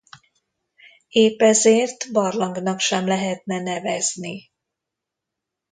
Épp ezért barlangnak sem lehetne nevezni.